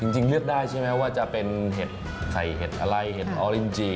จริงเลือกได้ใช่ไหมว่าจะเป็นเห็ดไข่เห็ดอะไรเห็ดออรินจี